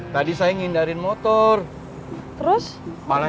balik sekolah lah